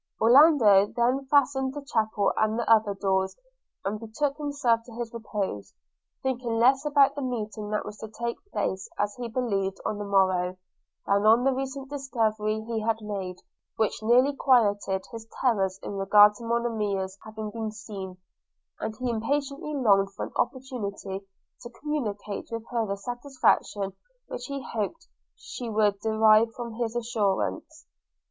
Orlando then fastened the chapel and the other doors, and betook himself to his repose – thinking less about the meeting that was to take place, as he believed, on the morrow, than on the recent discovery he had made, which nearly quieted his terrors in regard to Monimia's having been seen; and he impatiently longed for an opportunity to communicate to her the satisfaction which he hoped she would derive from this assurance.